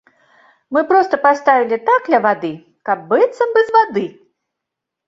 Мы проста паставілі так ля вады, каб быццам бы з вады!